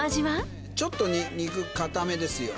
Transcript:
ちょっと肉硬めですよ。